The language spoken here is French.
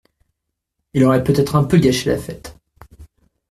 Il aurait peut-être un peu gâché la fête.